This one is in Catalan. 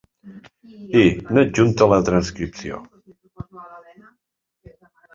I n’adjunta la transcripció.